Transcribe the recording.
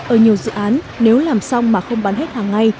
ở nhiều dự án nếu làm xong mà không bán hết hàng ngày